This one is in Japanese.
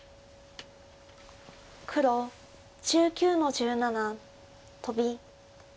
黒１９の十七トビ。